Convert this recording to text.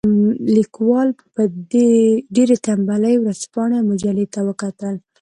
لیکوال په ډېرې تنبلۍ ورځپاڼې او مجلې ته وکتل.